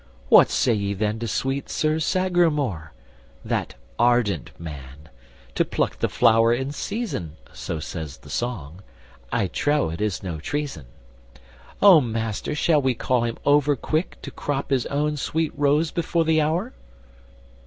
What say ye then to sweet Sir Sagramore, That ardent man? 'to pluck the flower in season,' So says the song, 'I trow it is no treason.' O Master, shall we call him overquick To crop his own sweet rose before the hour?"